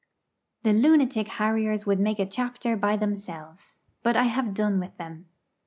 The lunatic harriers would make a chapter by themselves; but I have done with them.